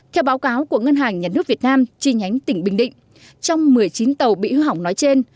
theo báo cáo của ngân hàng nhà nước việt nam chi nhánh tỉnh bình định trong một mươi chín tàu bị hư hỏng nói trên